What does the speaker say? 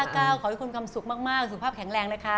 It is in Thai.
ขอให้คุณคำสุขมากสุขภาพแข็งแรงนะคะ